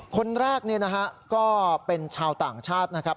คนแรกก็เป็นชาวต่างชาตินะครับ